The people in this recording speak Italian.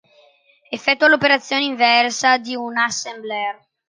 Effettua l'operazione inversa di un assembler.